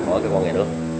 khỏi cái văn nghệ nữa